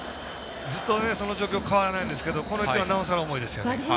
ずっとその状況変わらないんですけどこの１点は、なおさら重いですね。